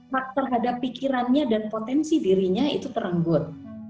hak terhadap pikirannya dan potensi dirinya itu terenggut